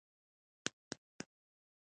دا سړی غټ قد لري.